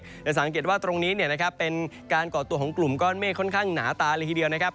จะสังเกตว่าตรงนี้เป็นการก่อตัวของกลุ่มก้อนเมฆค่อนข้างหนาตาเลยทีเดียวนะครับ